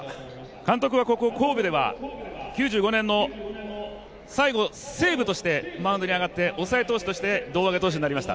監督はここ神戸では９５年、最後、西武としてマウンドに上がって抑え投手として胴上げされました。